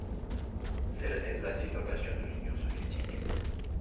C'est l'année de la dislocation de l'Union soviétique.